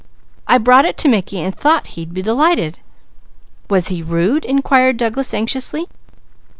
I brought it to Mickey and thought he'd be delighted." "Was he rude?" inquired Douglas anxiously.